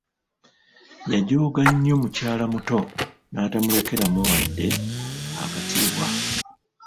Yajooga nnyo mukyala muto n'atamulekeramu wadde akatiibwa.